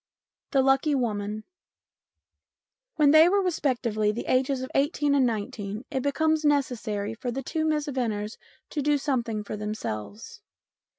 IV THE LUCKY WOMAN WHEN they were respectively of the ages of eighteen and nineteen it becomes necessary for the two Miss Venners to do something for themselves.